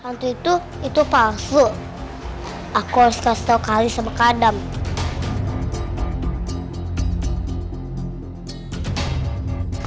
hantu itu itu palsu aku harus kasih tau kali sama kadang